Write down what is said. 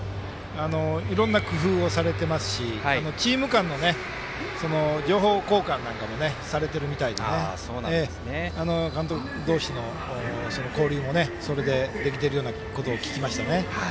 いろんな工夫をされていますしチーム間の情報交換なんかもされてるみたいで監督同士の交流もそれで、できているようなことも聞きました。